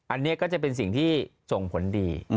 อันนี้ก็จะเป็นสิ่งที่ส่งผลดี